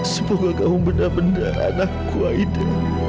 semoga kamu benar benar anakku aida